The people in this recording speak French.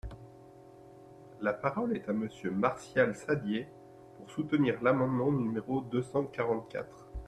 La parole est à Monsieur Martial Saddier, pour soutenir l’amendement numéro deux cent quarante-quatre.